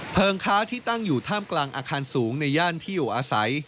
ค้าที่ตั้งอยู่ท่ามกลางอาคารสูงในย่านที่อยู่อาศัย